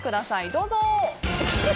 どうぞ。